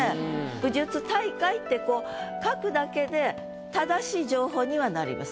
「武術大会」ってこう書くだけで正しい情報にはなります。